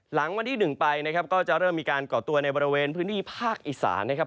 หลังวันที่๑ไปนะครับก็จะเริ่มมีการก่อตัวในบริเวณพื้นที่ภาคอีสานนะครับ